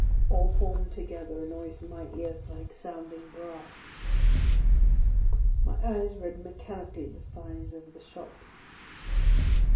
All formed together a noise in my ears like sounding brass. My eyes read mechanically the signs over the shops.